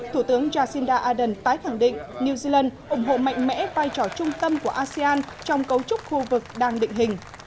thủ tướng jacinda ardern tái khẳng định new zealand ủng hộ mạnh mẽ vai trò trung tâm của asean trong cấu trúc khu vực đang định hình